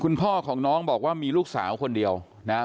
พ่อของน้องบอกว่ามีลูกสาวคนเดียวนะครับ